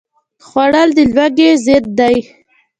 خوړل د لوږې ضد دی